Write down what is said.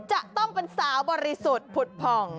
จะต้องเป็นสาวบริสุทธิ์ผุดผ่อง